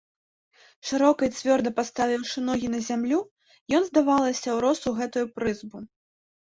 Шырока і цвёрда паставіўшы ногі на зямлю, ён, здавалася, урос у гэтую прызбу.